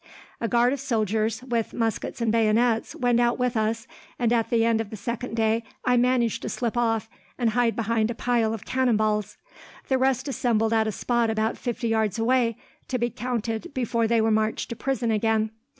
"A guard of soldiers, with muskets and bayonets, went out with us, and at the end of the second day I managed to slip off, and hide behind a pile of cannonballs. The rest assembled at a spot about fifty yards away, to be counted before they marched to prison again.